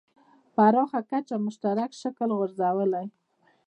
پراخه کچه مشترک شکل غورځولی.